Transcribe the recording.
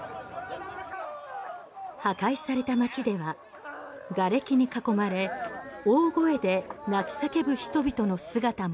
破壊された街ではがれきに囲まれ大声で泣き叫ぶ人々の姿も。